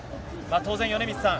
当然、米満さん